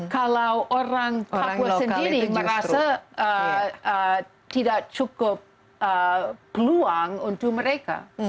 kalau orang papua sendiri merasa tidak cukup peluang untuk mereka